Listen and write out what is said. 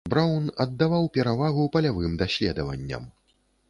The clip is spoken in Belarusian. Браўн аддаваў перавагу палявым даследаванням.